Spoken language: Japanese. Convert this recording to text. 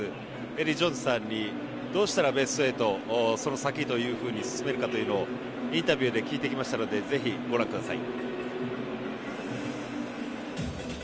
エディー・ジョーンズさんにどうしたらベスト８のその先というふうに進めるかインタビューで聞いてきましたのでぜひ、ご覧ください。